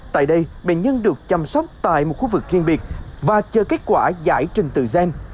tại đây bệnh nhân được chăm sóc tại một khu vực riêng biệt và chờ kết quả giải trình tự gen